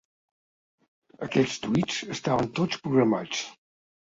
Aquests tuits estaven tots programats.